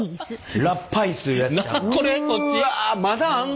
うわまだあんの？